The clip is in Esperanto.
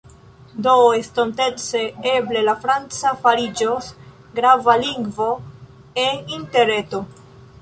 Do estontece, eble, la franca fariĝos grava lingvo en Interreto.